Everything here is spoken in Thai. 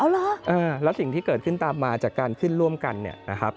แล้วสิ่งที่เกิดขึ้นตามมาจากการขึ้นร่วมกันเนี่ยนะครับ